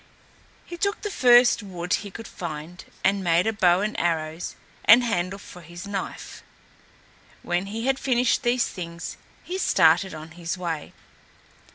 He took the first wood he could find and made a bow and arrows and a handle for his knife. When he had finished these things he started on his way.